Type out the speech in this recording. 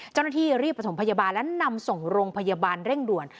เจ้าหน้าที่รีบประถมพยาบาลและนำส่งโรงพยาบาลเร่งด่วน